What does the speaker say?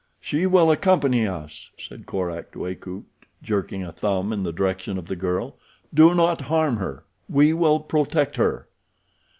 "She will accompany us," said Korak to Akut, jerking a thumb in the direction of the girl. "Do not harm her. We will protect her."